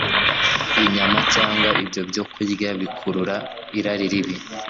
inyama cyangwa ibyo byokurya bikurura irari ribi